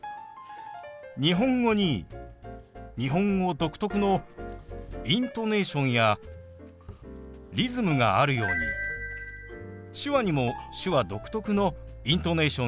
日本語に日本語独特のイントネーションやリズムがあるように手話にも手話独特のイントネーションやリズムがあります。